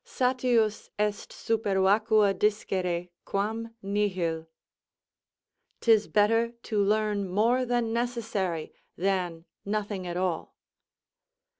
Satius est supervacua discere, quam nihil. "'Tis better to learn more than necessary than nothing at all."